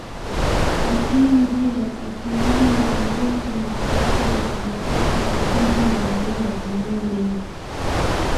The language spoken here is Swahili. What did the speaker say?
kwa kila njia ikiwamo mitandao ya kimataifa ya wanaharakati kuupinga mradi huo Hatimaye Benki